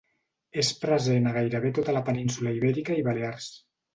És present a gairebé tota la península Ibèrica i Balears.